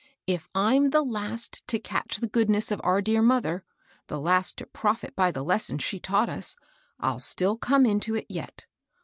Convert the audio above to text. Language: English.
If I'm the last to catch the goodness of our dear mother, the last to profit by the lessons she taught us, I'll still come into it yet.